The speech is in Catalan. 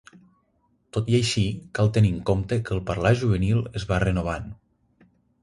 Tot i així, cal tenir en compte que el parlar juvenil es va renovant.